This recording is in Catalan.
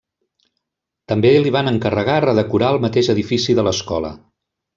També li van encarregar redecorar el mateix edifici de l'escola.